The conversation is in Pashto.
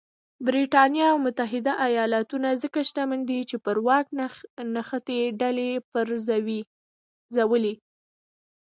برېټانیا او متحده ایالتونه ځکه شتمن دي چې پر واک نښتې ډلې وپرځولې.